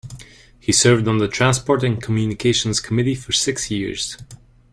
He served on the transport and communications committee for six years.